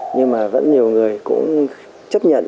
nhưng mà vẫn nhiều người cũng chấp nhận